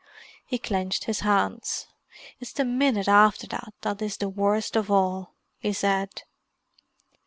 He clenched his hands. "It's the minute after that that is the worst of all," he said.